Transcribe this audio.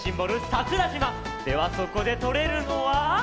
桜島！ではそこでとれるのは。